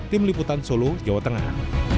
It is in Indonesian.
tim liputan solo jawa tengah